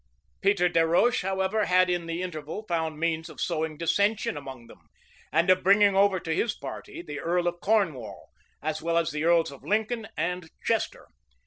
Peter des Roches, however, had in the interval found means of sowing dissension among them, and of bringing over to his party the earl of Cornwall, as well as the earls of Lincoln and Chester.